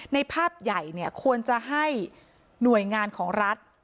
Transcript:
ในภาพใหญ่เนี่ยควรจะให้หน่วยงานของรัฐ